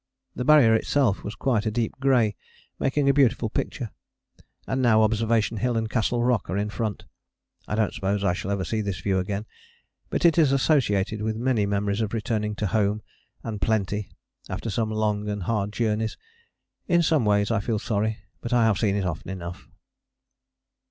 The Barrier itself was quite a deep grey, making a beautiful picture. And now Observation Hill and Castle Rock are in front. I don't suppose I shall ever see this view again: but it is associated with many memories of returning to home and plenty after some long and hard journeys: in some ways I feel sorry but I have seen it often enough.